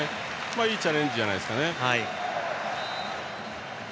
いいチャレンジじゃないですかね。